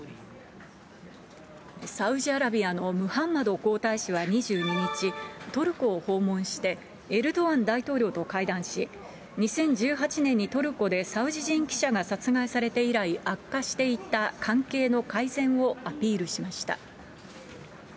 サウジアラビアのムハンマド皇太子は２２日、トルコを訪問して、エルドアン大統領と会談し、２０１８年にトルコでサウジ人記者が殺害されて以来、悪化していた関係の改善をアピールしました。